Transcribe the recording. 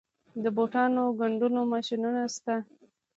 د بوټانو ګنډلو ماشینونه شته